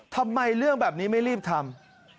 ทำไมเรื่องแบบนี้ไม่รีบทำ